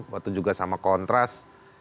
waktu juga sama kontras